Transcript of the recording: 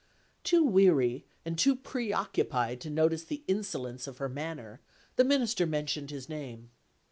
Too weary and too preoccupied to notice the insolence of her manner, the Minister mentioned his name.